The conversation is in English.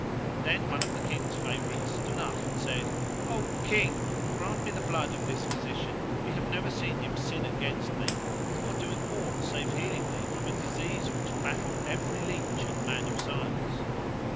Then one of the King's favourites stood up and said, "O King! grant me the blood of this physician; we have never seen him sin against thee, or doing aught save healing thee from a disease which baffled every leach and man of science."